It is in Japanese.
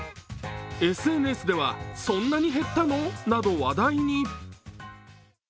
ＳＮＳでは、そんなに減ったの？など話題に。